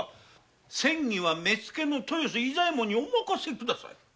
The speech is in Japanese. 詮議は目付の豊州伊佐衛門にお任せ下さい。